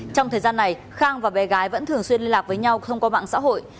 trong thời gian này khang và bé gái vẫn thường xuyên liên lạc với nhau thông qua mạng xã hội